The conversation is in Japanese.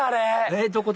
えっどこ？